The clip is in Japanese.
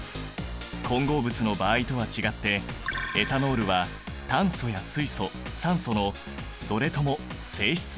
混合物の場合とは違ってエタノールは炭素や水素酸素のどれとも性質が異なっている。